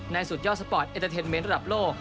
สุดยอดสปอร์ตเอ็นเตอร์เทนเมนต์ระดับโลก